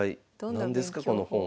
何ですかこの本は。